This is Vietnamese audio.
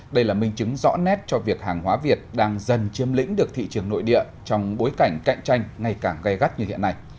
đây là minh chứng rõ nét cho việc hàng hóa việt đang dần chiếm lĩnh được thị trường nội địa trong bối cảnh cạnh tranh ngày càng gai gắt như hiện nay